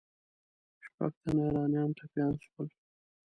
شپږ تنه ایرانیان ټپیان سول.